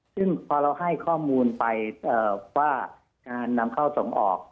ซึ่งพอเราให้ข้อมูลไปว่าการนำเข้าส่งออก